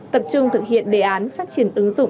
tập trung thực hiện đề án phát triển ứng dụng